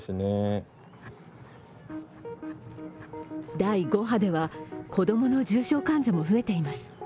第５波では、子供の重症患者も増えています。